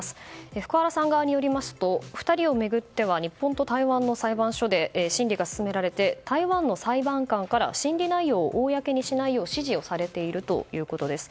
福原さん側によりますと２人を巡っては日本と台湾の裁判所で審理が進められて台湾の裁判官から審理内容を公にしないよう指示をされているということです。